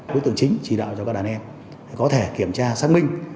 đối tượng chính chỉ đạo cho các đàn em có thể kiểm tra xác minh